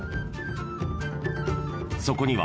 ［そこには］